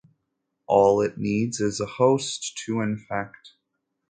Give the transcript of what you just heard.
All it needs is a host to infect.